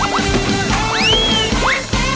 โอโบตอร์